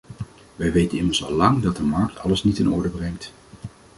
Wij weten immers al lang dat de markt alles niet in orde brengt.